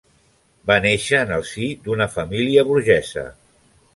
Va néixer en el si d'una família burgesa.